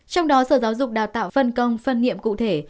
trong đó sở giáo dục đào tạo phân công phân nhiệm cụ thể